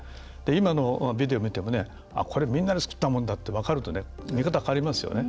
今のビデオ見てもこれ、みんなで造ったものだって分かると、見方が変わりますよね。